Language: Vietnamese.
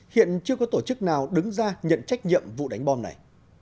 hiện chưa có tổ chức nào đứng ra nhận trách nhiệm vụ đánh bom này